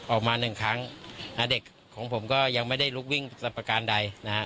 หนึ่งครั้งเด็กของผมก็ยังไม่ได้ลุกวิ่งสรรประการใดนะฮะ